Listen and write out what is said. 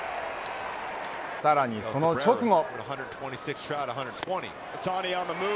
さらにその直後。